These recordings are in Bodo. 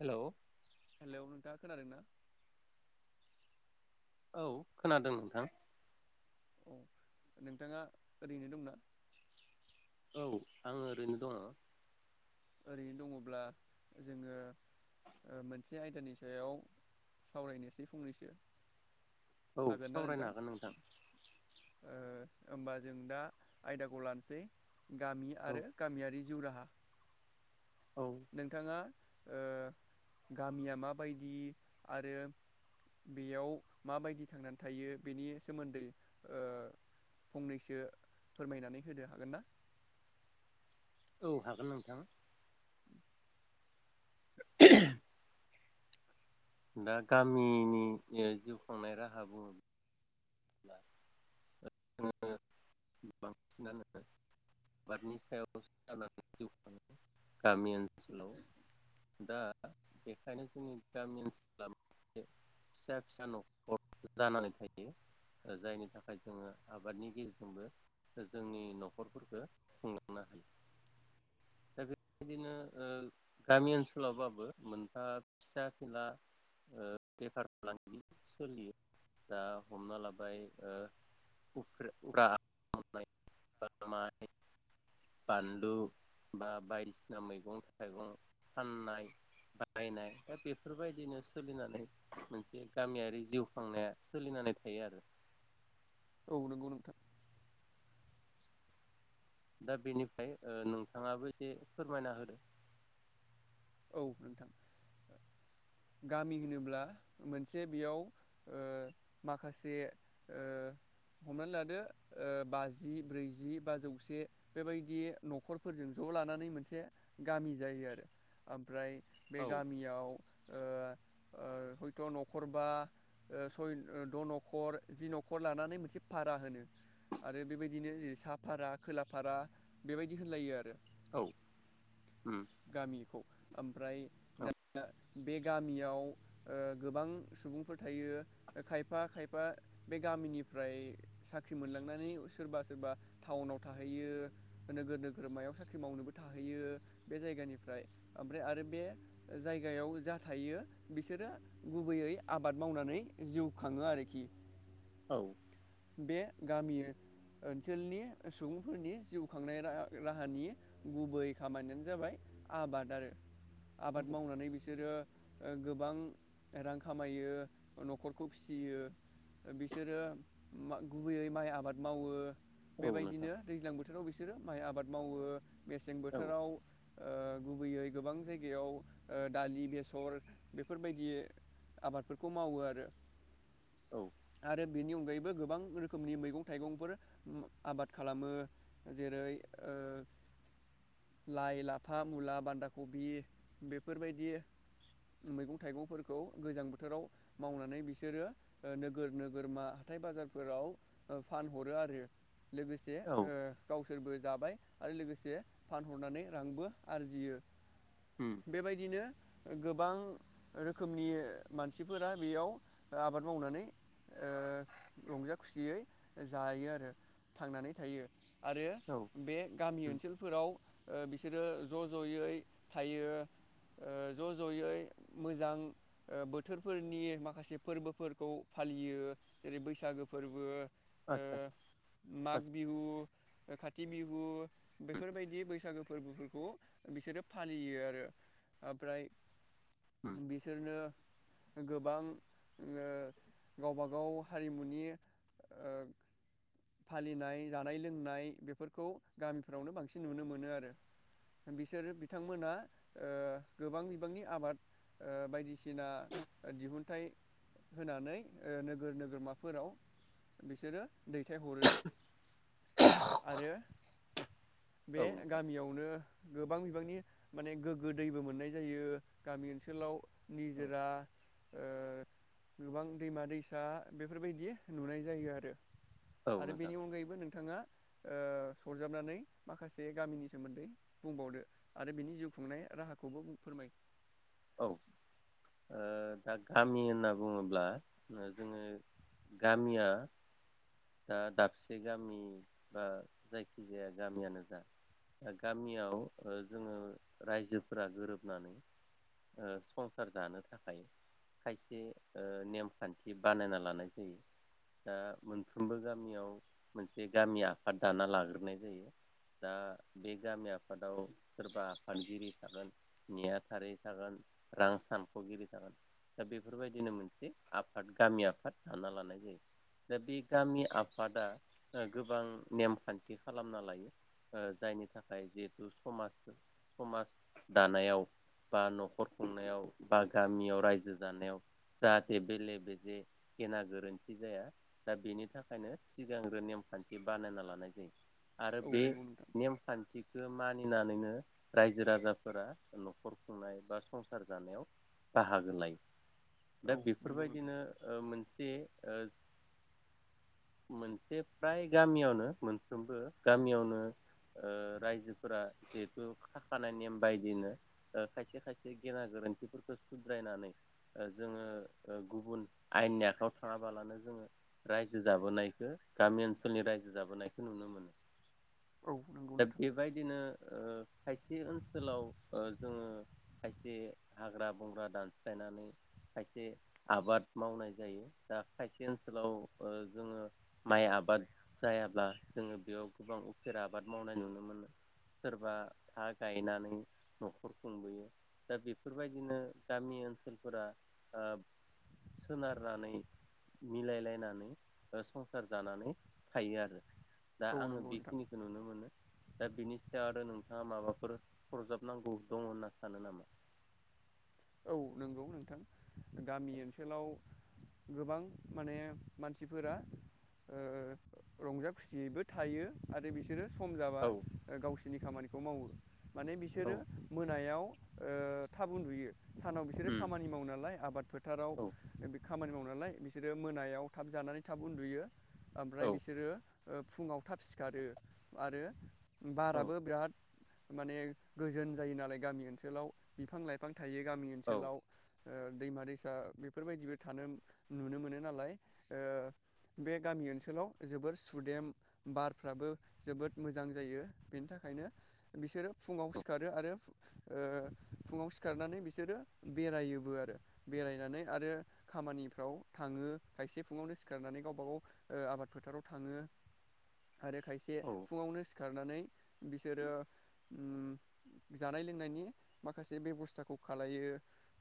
हेल'। हेल', नोंथाङा खोनादोंना? औ खोनादों नोंथां। औ नोंथाङा ओरैनो दंना? औ आङो ओरैनो दङ। ओरैनो दङब्ला जोङो ओ मोनसे आयदानि सायाव सावरायनोसै फंनैसो। औ हागोन ना सावरायनो हागोन नोंथां। ओ होमबा जों दा आयदाखौ लानोसै गामि औ आरो गामियारि जिउ रा‌ हा। औ नोंथाङा ओ गामिया माबायदि आरो बेयाव माबायदि थांनानै थायो बेनि सोमोन्दै ओ फंनैसो फोरमायनानै होनो हागोन ना? औ हागोन नोंथां। दा गामिनि जिउ खांनाय राहा बुङो ब्ला जोङो बांसिनानो आबादनि सायावो जानानै जिउ खाङो गामि ओनसोलाव। दा बेखायनो जोंनि गामि ओनसोला मोनसे फिसा फिसा न'खर जानानै थायो जायनि थाखाय जोङो आबादनि गेजेरजोंबो जोंनि न'खरफोरखौ खुंलांनो हायो। दा बेबायदिनो ओ गामि ओनसोलावबाबो मोनफा फिसा फिनला बेफार फालांगि सोलियो दा हमना लाबाय ओ उफेर उरा माइ बानलु बा बायदिसिना मैगं थाइगं फाननाय बायनाय दा बेफोरबायदिनो सोलिनानै मोनसे गामियारि जिउ खांनाया सोलिनानै थायो आरो। औ नंगौ नोंथां। दा बेनिफ्राय ओ नोंथाङाबो एसे फोरमायना होदो। औ नोंथां, गामि होनोब्ला मोनसे बेयाव ओ माखासे ओ हमनानै लादो ओ बाजि ब्रैजि बा जौसे बेबायदि न'खरफोरजों ज' लानानै मोनसे गामि जायो आरो। ओमफ्राय बे औ गामियाव ओ ओ हयथ' न'खरबा ओ सय द' न'खर जि न'खर लानानै मोनसे भारा होनो आरो बेबायदिनो साहा भारा खोला भारा बेबायदि होनलायो आरो औ। उम गामिखौ। ओमफ्राय औ दानिया बे गामियाव ओ गोबां सुबुंफोर थायो खायफा खायफा बे गामिनिफ्राय साख्रि मोनलांनानै सोरबा सोरबा टाउनाव थाहैयो नोगोर नोगोर मायाव साख्रि मावनोबो थाहैयो। बे जायगानिफ्राय ओमफ्राय आरो बे जायगायाव जा थायो बिसोरो गुबैयै आबाद मावनानै जिउ खाङो आरोखि। औ। बे गामि ओनसोलनि सुबुंफोरनि जिउ खांनाय रा राहानि गुबै खामानियानो जाबाय आबाद आरो। आबाद औ मावनानै बिसोरो ओ गोबां रां खामायो न'खरखौ फिसियो बिसोरो मा गुबैयै माइ आबाद मावो। औ नोंथां बेबायदिनो दैज्लां बोथोराव बिसोरो माइ आबाद मावो। मेसें औ बोथोराव ओ गुबैयै गोबां जायगायाव ओ दालि बेसर बेफोरबायदि आबादफोरखौ मावो आरो औ आरो बेनि अगायै बो गोबां रोखोमनि मैगं थाइगंफोर आबाद खालामो जेरै ओ लाइ लाफा मुला बान्दा कबि बेफोरबायदि मैगं थाइगंफोरखौ गोजां बोथोराव मावनानै बिसोरो नोगोर नोगोरमा हाथाय बाजारफोराव फानहरो आरो लोगोसे औ ओ गावसोरबो जाबाय आरो लोगोसे फानहरनानै रांबो आरजियो उम बेबायदिनो गोबां रोखोमनि मानसिफोरा बेयाव आबाद मावनानै ओ रंजा खुसियै जायो आरो थांनानै थायो आरो औ उम बे गामि ओनसोलफोराव ओह बिस बिसोरो ज जयै थायो ओह ज जयै मोजां ओह बोथोरफोरनि माखासे फोरबोफोरखौ फालियो। जेरै बैसागो फोरबो। आदसा ओह आदसा माग बिहु खाथि बिहु बेफोरबायदि बैसागो फोरबोफोर खौ बिसोरो फालियो आरो ओमफ्राय उम, बिसोरनो गोबां उमओ गावबागाव हारिमुनि ओह फालिनाय जानाय लोंनाय बेफोरखौ गामिफ्रावनो बांसिन नुनो मोनो आरो बिसोरो बिथांमोना ओह गोबां बिबांनि आबाद ओह बायदिसिना दिहुनथाइ होनानै ओ नोगोर नोगो गोरमाफोराव बिसोरो दैथायहरो। आरो बे औ नोंथां गामियावनो गोबां बिबांनि माने गोग्गो दैबो मोननाय जायो गामि ओनसोलाव औ निजोरा ओह गोबां दैमा दैसा बेफोरबायदि नुनाय जायो आरो। औ आरो नोंथां बेनि अनगायैबो नोंथाङा ओह सरजाबनानै माखासे गामिनि सोमोन्दै बुंबावदो आरो बिनि जिउ खुंनाय राहाखौबो फोरमाय औ ओह दा गामि होनना बुङोब्ला जोङो गामिया दा दाबसे गामि बा जायखिजाया गामियानो जा दा गामियाव जोङो रायजोफोरा गोरोबनानै ओह सरकार दानो थाखाय खायसे ओह नेमखान्थि बानायना लानाय जायो दा मोनफ्रोमबो गामियाव मोनसे गामि आफाद दाना लाग्रोनाय जायो दा बे गामि आफादाव सोरबा आफादगिरि थागोन नेहाथारि थागोन रां सानखगिरि थागोन दा बेफोरबायदिनो मोनसे आफाद गामि आफाद दाना लानाय जायो दा बे गामि आफादा गोबां नेमखान्थि खालामना लायो जायनि थाखाय जिहेथु समाज समाज दानायाव बा नखर खुंनायाव बा गामियाव रायजो जानायाव जाहाथे बेले बेजे गेना गोरोन्थि जाया दा बेनि थाखायनो सिगांग्रो नेमखान्थि बानायना लानाय जायो। आरो औ बे नंगौ नोंथां नेमखान्थिखो मानिनानैनो रायजो राजाफोरा नख खर खुंनाय बा संसार जानायाव बाहागो लायो। औ दा नंगौ नोंथां बेफोरबायदिनो ओह मोनसे ओह मोनसे फ्राय गामियावनो मोनफ्रोमबो गामियावनो ओ रायजोफोरा जिहेथु खाखानाय नेम बायदिनो ओ खायसे खायसे गेना गोरोन्थिफोरखौ सुद्रायनानै जोङो गुबुन आयेननि आखायाव थाङाबालानो जोङो रायजो जाबोनायखो गामि ओनसोलनि रायजो जाबोनायखो नुनो मोनो। औ नंगौ दा नोंथां बे बायदिनो ओह खायसे ओनसोलाव ओ जोङो खायसे हाग्रा बंग्रा दानस्र्लायनानै खायसे आबाद मावनाय जायो दा खायसे ओनसोलाव ओ जोङो माइ आबाद जायाब्ला जोङो बेयाव गोबां उफेरा आबाद मावनाय नुनो मोनो सोरबा था गायनानै नख खर खुंबोयो दा बेफोरबायदिनो गामि ओनसोलफोरा ओह सोनारनानै मिलायलायनानै संसार जानानै थायो आरो। दा औ आङो नंगौ नोंथां बेखिनिखौ नुनो मोनो। दा बिनि सायाव आरो नोंथाङा माबाफोर सरजाबनांगौ दङ होनना सानो नामा? औ नंगौ नोंथां। गामि ओनसोलाव गोबां माने मानसिफोरा ओह रंजा खुसियैबो थायो आरो बिस नो सम जाबा औ गावसोरनि खामानि खौ मावो। माने औ बिसोरो मोनायाव ओ थाब उन्दुयो सानाव बिसोरो खामानि मावो नालाय आबाद फोथाराव औ खामानि मावो नालाय बिसोरो मोनायाव थाब जानानै थाब उन्दुयो औ ओमफ्राय बिसोरो ओ फुङाव थाब सिखारो आरो बाराबो औ बिराद माने गोजोन जायो नालाय गामि ओनसोलाव बिफां लाइफां थायो गामि औ ओनसोलाव ओ दैमा दैसा बेफोरबायदिबो थानो नुनो मोनो नालाय ओ बे गामि ओनसोलाव जोबोर सुदेम बारफ्राबो जोबोद मोजां जायो बेनि थाखायनो बिसोरो फुङाव सिखारो आरो ओ फुङाव सिखारनानै बिसोरो बेरायोबो आरो बेरायनानै आरो खामानिफ्राव थाङो खायसे फुङावनो सिखारनानै गावबा गाव ओ आबाद फोथाराव थाङो आरो खायसे फुङावनो सिखारनानै बिसोरो उम जानाय लोंनायनि माखासे बेबसथा फसाखौ खालायो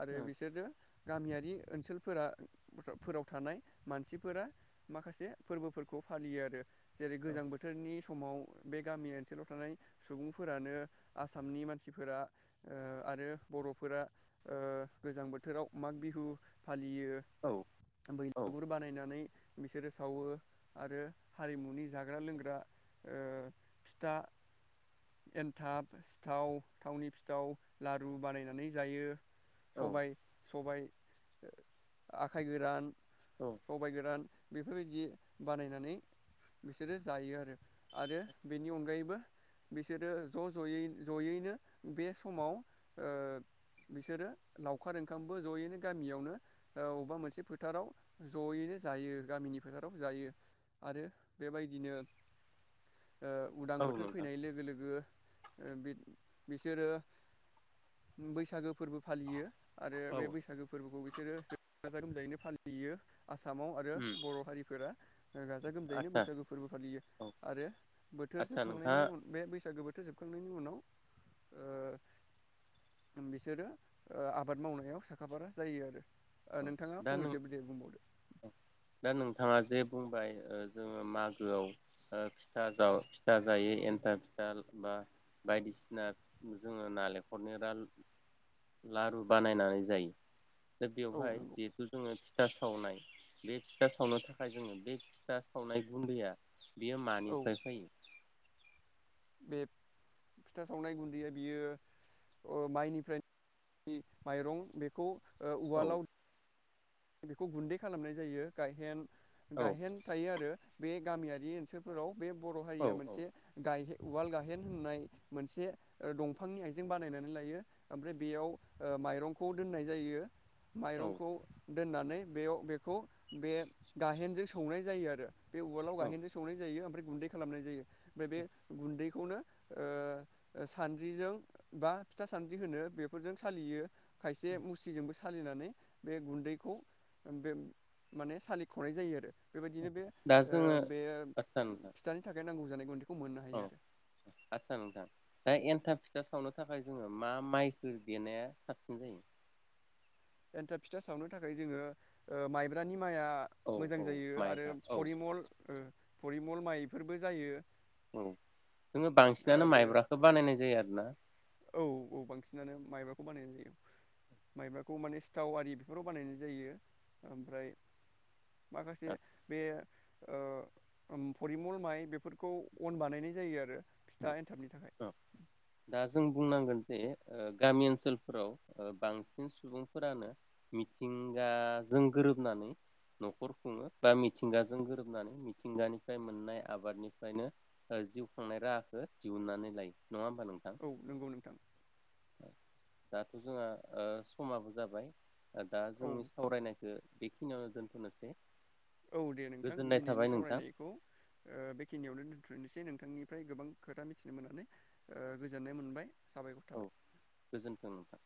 आरो बिसोरनो गामियारि बे ओनसोलफोरा फोराव थानाय मानसिफोरा माखासे फोरबोफोरखौ फालियो आरो जेरै गोजां बोथोरनि समाव बे गामि ओनसोलाव थानाय सुबुंफोरानो आसामनि मानसिफोरा ओ आरो बर'फोरा ओ गोजां बोथोराव माग बिहु फालियो औ बैलागुर बानायनानै बिसोरो सावो आरो हारिमुनि जाग्रा लोंग्रा ओ फिथा एनथाब सिथाव थावनि सिथाव लारु बानायनाय संनानै जायो सबाय सबाय आखाइ गोरान औ सबाय गोरान बेफोरबायदि बानायनानै बिसोरो जायो आरो आरो बेनि अनगायैबो बिसोरो ज' ज'यै जयैनो बे समाव ओ बिसोरो लावखार ओंखामबो ज'यैनो गामियावनो अबबा मोनसे फोथाराव ज'यैनो जायो गामिनि फोथाराव जायो आरो बेबायदिनो ओ उदां औ बोथोर नोंथां फैनाय लोगो लोगो बिसोरो। बैसागो फोरबो फालियो। आरो बे औ बैसागो फोरबोखौ बिसोरो जोबोर गाजा गोमजायैनो फालियो। आसामाव आरो बर' हारिफोरा गाजा गोमजायैनो आदसा बैसागो फोरबो फालियो औ आरो बोथोर आदसा जोबखांनायनि नोंथाङा उन बे बैसागो बो जोबखांनायनि उनाव ओ बिसोरो ओ‌ आबाद मावनायाव साखाफारा जायो आरो। ओ नोंथाङा दा नों फंनैसो दे बुंबावदो दा नोंथाङा जे बुंबाय ओ जोङो मागोआव ओ फिथा [unintelligible] जायो एन्थाब फिथा बा बायदिसिना जोङो नालेंखरनि लारु लारु बानायनानै जायो। औ बेवहाय नंगौ जिहेथु जोङो फिथा सावनाय बे फिथा सावनो थाखाय जोङो बे फिथा सावनाय गुन्दैया बियो औ मानिफ्राय फैयो? बे फिथा सावनाय गुन्दैया बियो ओ माइनिफ्राय माइरं बेखौ ओ औ उवालाव बेखौ गुन्दै खालामनाय जायो गायहेन औ गायहेन थायो आरो बे गामियारि ओनसोलफोराव बे बर' औ हारिया औ मोनसे गाय उवाल गाहेन होननाय मोनसे ओ दंफांनि आइजें बानायनानै लायो ओमफ्राय बेयाव ओ माइरंखौ दोननाय जायो। औ माइरंखौ दोननानै बेयाव बेखौ बे गाहेनजों सौनाय जायो आरो। बे उवालाव औ गाहेनजों सौनाय जायो ओमफ्राय गुन्दै खालामनाय जायो ओमफ्राय बे गुन्दैखौनो ओ सानद्रिजों बा फिथा सानद्रि होनो बेफोरजों सालियो। खायसे मुस्रिजोंबो सालिनानै बे गुन्दै खौ बे माने सालिख'नाय जायो आरो। बेबायदिनो बे दा ओ जोङो बे आदसा नोंथां फिथानि थाखाय नांगौ [unintelligible] औ आरो आस्सा नोंथां दा एन्थाब फिथा सावनो थाखाय जोङो मा माइखो देनाया साबसिन जायो? एन्थाब फिथा सावनो थाखाय जोङो ओ माइब्रानि माइआ औ मोजां औ जायो आरो माइब्रा औ परिमल ओम परिमल माइ बेफोरबो जायो। औ जोङो बांसिनानो आरो माइब्राखौ बानायनाय जायो आरोना। औ औ बांसिनानो माइब्राखौ बानायनाय जायो माइब्राखौ माने सिथाव आरि बेफोराव बानायनाय जायो ओमफ्राय माखासे बे ओ ओम फरिमल माइ बेफोरखौ अन बानायनाय जायो आरो। औ फिथा एन्थाबनि थाखाय। औ दा जों बुंनांगोन जे ओ गामि ओनसोलफोराव ओ बांसिन सुबुंफोरानो मिथिंगाजों गोरोबनानै न'खर खुङो बा मिथिंगाजों गोरोबनानै मिथिंगानिफ्राय मोननाय आबादनिफ्रायनो ओ जिउ खांनाय राहा बो दिहुननानै लायो। औ नंगौ नोंथां। दाथ' जोंहा ओ समाबो जाबाय। आ दा औ जोंनि सावरायनायखौ बेखिनिआव दोनथ'नोसै। औ दे नोंथां गोजोननाय दिनैनि थाबाय नोंथां सावरायनायखौ ओ बेखिनियावनो [unintelligible] नोंथांनिफ्राय गोबां खोथा मिथिनो मोननानै ओ गोजोननाय मोनबाय। साबायखर थाबाय। औ गोजोन्थों नोंथां।